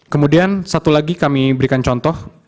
kemudian satu lagi kami berikan contoh